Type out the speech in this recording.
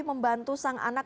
membantu sang anak